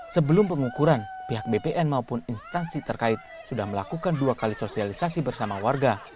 sebelum pengukuran pihak bpn maupun instansi terkait sudah melakukan dua kali sosialisasi bersama warga